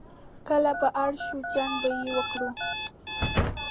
کله به اړ شو، جنګ به یې وکړ.